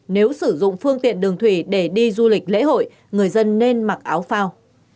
nếu sử dụng phương tiện đường thủy để đi du lịch lễ hội người dân nên mặc áo phao